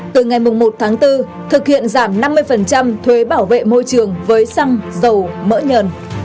từ ngày một tháng bốn thực hiện giảm năm mươi thuế bảo vệ môi trường với xăng dầu mỡ nhờn